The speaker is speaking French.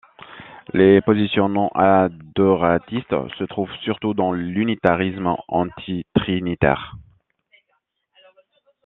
Les positions non-adoratistes se trouvent surtout dans l'unitarisme antitrinitaire.